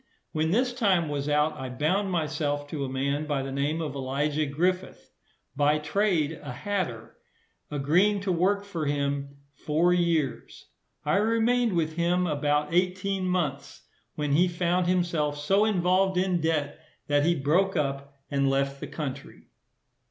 When this time was out, I bound myself to a man by the name of Elijah Griffith, by trade a hatter, agreeing to work for him four years. I remained with him about eighteen months, when he found himself so involved in debt, that he broke up, and left the country.